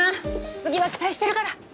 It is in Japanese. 次は期待してるから！